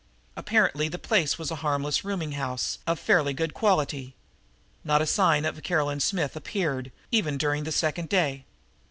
Apparently the place was a harmless rooming house of fairly good quality. Not a sign of Caroline Smith appeared even during the second day.